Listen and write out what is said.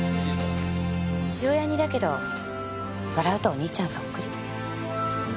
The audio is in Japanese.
父親似だけど笑うとお兄ちゃんそっくり。